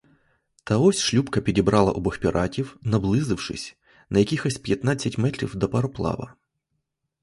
Та ось шлюпка підібрала обох піратів, наблизившись на якихось п'ятнадцять метрів до пароплава.